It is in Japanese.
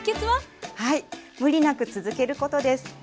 はい無理なく続けることです。